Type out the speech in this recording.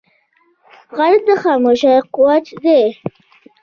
غیرت د خاموشۍ قوت دی